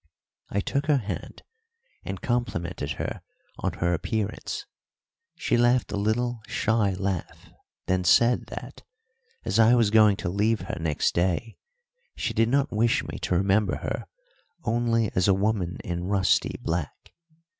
I took her hand and complimented her on her appearance. She laughed a little shy laugh, then said that, as I was going to leave her next day, she did not wish me to remember her only as a woman in rusty black.